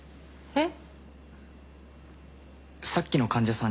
えっ？